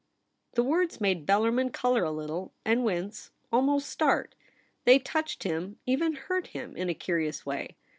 The words made Bellarmin colour a little and wince — almost start. They touched him, even hurt him, in a curious way.